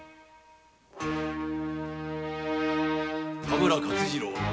田村勝次郎。